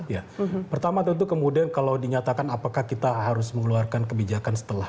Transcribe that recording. ya pertama tentu kemudian kalau dinyatakan apakah kita harus mengeluarkan kebijakan setelah